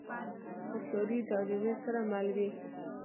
هوښیاري د عاجزۍ سره مل وي.